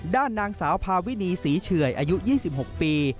ด้านนางสาวพาวินีศรีเฉื่อยอายุ๒๖ปี